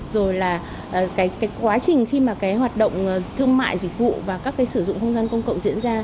rồi là cái quá trình khi mà cái hoạt động thương mại dịch vụ và các cái sử dụng không gian công cộng diễn ra